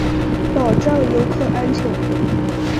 保障游客安全